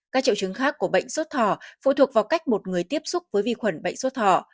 các triệu chứng khác của bệnh sốt thỏ phụ thuộc vào cách một người tiếp xúc với vi khuẩn bệnh sốt thỏ